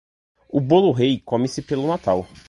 O Bolo Rei come-se pelo Natal.